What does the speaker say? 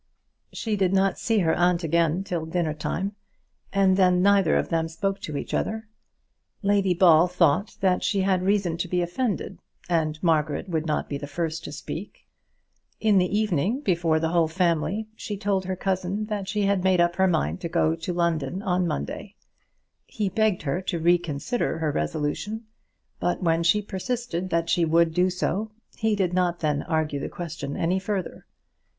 She did not see her aunt again till dinner time, and then neither of them spoke to each other. Lady Ball thought that she had reason to be offended, and Margaret would not be the first to speak. In the evening, before the whole family, she told her cousin that she had made up her mind to go up to London on Monday. He begged her to reconsider her resolution, but when she persisted that she would do so, he did not then argue the question any further.